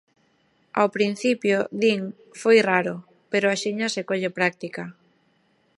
Ao principio, din, foi raro, pero axiña se colle práctica.